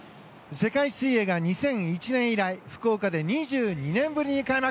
世界水泳が２００１年以来福岡で２２年ぶりに開幕。